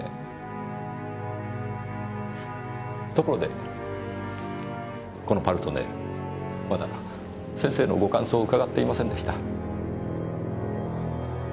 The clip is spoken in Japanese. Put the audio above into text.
ところでこの「パルトネール」まだ先生のご感想を伺っていませんでした。